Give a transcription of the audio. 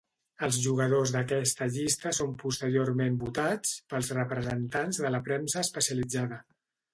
Els jugadors d'aquesta llista són posteriorment votats pels representants de la premsa especialitzada.